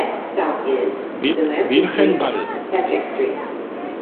Virgen del rosal